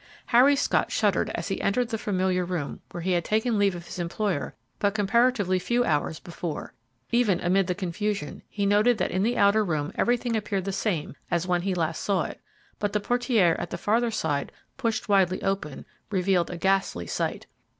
Harry Scott shuddered as he entered the familiar room where he had taken leave of his employer but comparatively few hours before. Even amid the confusion, he noted that in the outer room everything appeared the same as when he last saw it, but the portieres at the farther side, pushed widely open, revealed a ghastly sight.